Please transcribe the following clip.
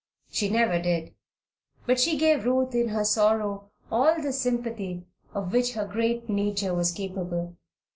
She never did. But she gave Ruth in her sorrow all the sympathy of which her great nature was capable.